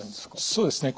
そうですね。